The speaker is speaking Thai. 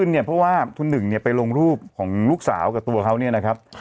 เพราะว่าทุ่นหนึ่งไปลงรูปของลูกสาวกับตัวเขา